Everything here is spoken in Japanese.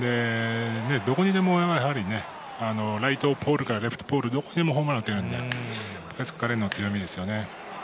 どこにでもやはりね、ライトポールからレフトポール、どこにでもホームラン打てるので、彼の強みですよね。